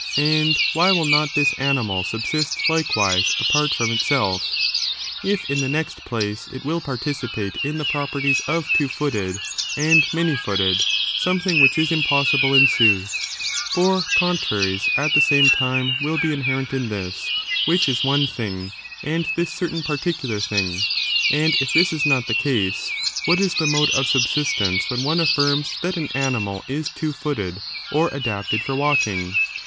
and why will not this animal subsist, likewise, apart from itself 9 If^ in the next place, it will participate in the properties of two footed and many footed, something which is impossible ensues ; for con traries, at the same time, will be inherent in this, which is one tMng, and this certain particular thing. And if this is not the qase, what is the mode of subsistence when one aflGjrms that an animal is two footed, or adapted for walking